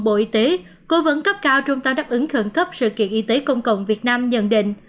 bộ y tế cố vấn cấp cao trung tâm đáp ứng khẩn cấp sự kiện y tế công cộng việt nam nhận định